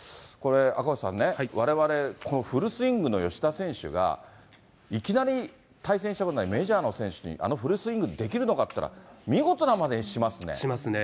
赤星さんね、われわれ、このフルスイングの吉田選手が、いきなり対戦したことないメジャーの選手に、あのフルスイングできるのかっていったら、見事なまでにしますね。